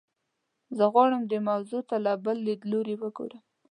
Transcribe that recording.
زه غواړم دې موضوع ته له بل لیدلوري وګورم.